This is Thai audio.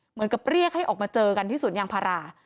เหมือนกับเรียกให้ออกมาเจอกันที่สวนยางพารา